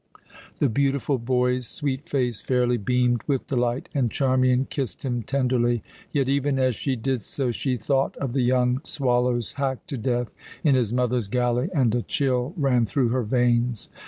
The beautiful boy's sweet face fairly beamed with delight, and Charmian kissed him tenderly. Yet, even as she did so, she thought of the young swallows hacked to death in his mother's galley, and a chill ran through her veins.